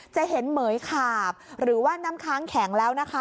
จะเห็นเหมือยขาบหรือว่าน้ำค้างแข็งแล้วนะคะ